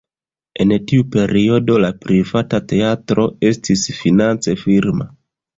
En tiu periodo la privata teatro estis finance firma.